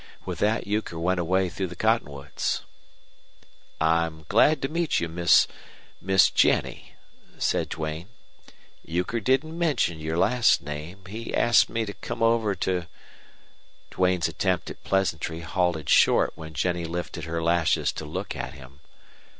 With that Euchre went away through the cottonwoods. "I'm glad to meet you, Miss Miss Jennie," said Duane. "Euchre didn't mention your last name. He asked me to come over to " Duane's attempt at pleasantry halted short when Jennie lifted her lashes to look at him.